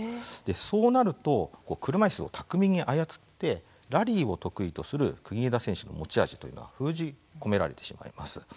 そうなると、車いすを巧みに操ってラリーを得意とする国枝選手の持ち味というのは封じ込められてしまいます。